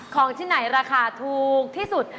ของที่ไหนราคาถูกที่สุด